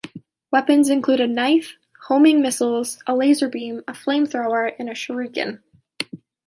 Weapons include a knife, homing missiles, a laser beam, a flame thrower and shuriken.